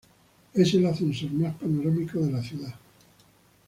Es el ascensor más panorámico de la ciudad.